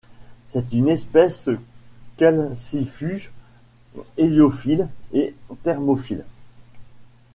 C'est une espèce calcifuge, héliophile et thermophile.